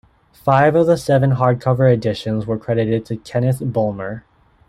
Five of the seven hardcover editions were credited to Kenneth Bulmer.